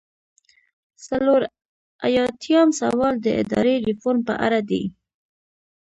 څلور ایاتیام سوال د اداري ریفورم په اړه دی.